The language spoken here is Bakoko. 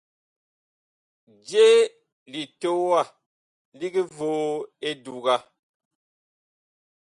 Je litowa lig voo eduga.